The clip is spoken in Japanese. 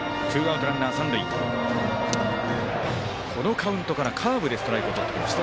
このカウントからカーブでストライクをとってきました。